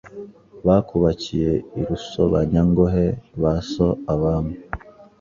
Bakubakiye i Rusobanyangohe ba so Abami